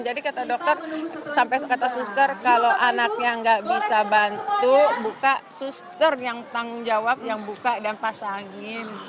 jadi kata dokter sampai kata suster kalau anaknya gak bisa bantu buka suster yang tanggung jawab yang buka dan pasangin